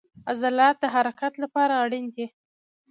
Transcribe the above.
عضلات د حرکت لپاره اړین دي